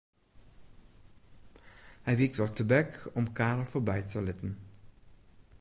Hy wykt wat tebek om Karel foarby te litten.